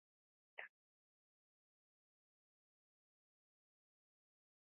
In modern usage it denotes the use and abuse of mountaineering for political purposes.